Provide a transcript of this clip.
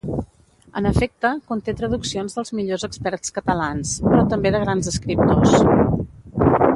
En efecte, conté traduccions dels millors experts catalans, però també de grans escriptors.